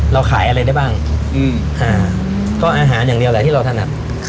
เราขายอะไรได้บ้างก็อาหารอย่างเดียวแหละที่เราถนัด